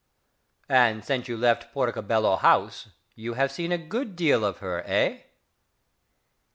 And since you left Porticobello House, you have seen a good deal of her, eh?...